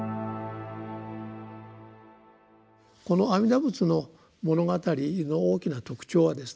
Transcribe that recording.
この「阿弥陀仏の物語」の大きな特徴はですね